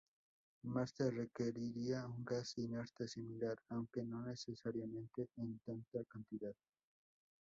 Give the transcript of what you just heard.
Marte requeriría un gas inerte similar, aunque no necesariamente en tanta cantidad.